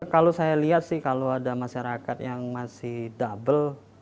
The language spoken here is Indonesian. kalau saya lihat sih kalau ada masyarakat yang masih double